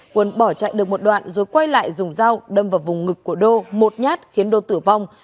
quân bỏ chạy được một đoạn rồi quay lại dùng dao đâm vào vùng ngực của đô một nhát khiến đô tử vong